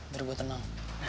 biar gue tenang